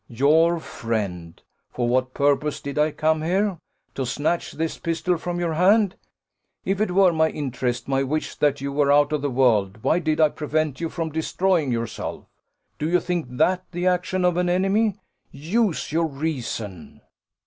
"Your friend. For what purpose did I come here? to snatch this pistol from your hand? If it were my interest, my wish, that you were out of the world, why did I prevent you from destroying yourself? Do you think that the action of an enemy? Use your reason."